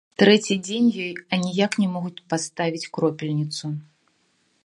Трэці дзень ёй аніяк не могуць паставіць кропельніцу.